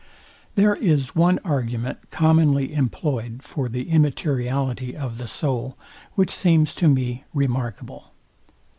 There is one argument commonly employed for the immateriality of the soul, which seems to me remarkable.